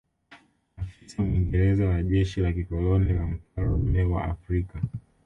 Afisa Mwingereza wa jeshi la kikoloni la mfalme wa Afrika